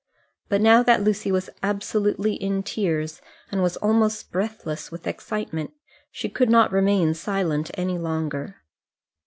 But now that Lucy was absolutely in tears, and was almost breathless with excitement, she could not remain silent any longer.